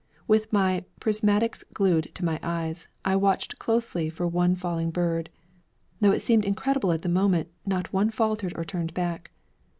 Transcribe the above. With my prismatics glued to my eyes, I watched closely for one falling bird. Though it seemed incredible at the moment, not one faltered or turned back.